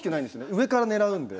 上から狙うんで。